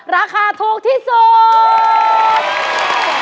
ราคาถูกที่สุด